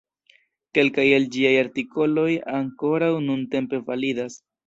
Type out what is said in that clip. Kelkaj el ĝiaj artikoloj ankoraŭ nuntempe validas.